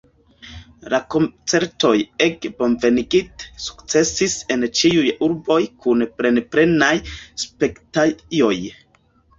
La koncertoj, ege bonvenigite, sukcesis en ĉiuj urboj kun plenplenaj spektejoj.